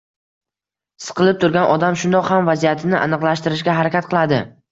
Siqilib turgan odam shundoq ham vaziyatini aniqlashtirishga harakat qiladi.